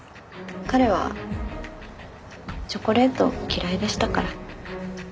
彼はチョコレート嫌いでしたから。